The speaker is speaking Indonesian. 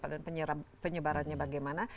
dan penyebarannya bagaimana